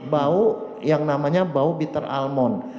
bau yang namanya bau biter almond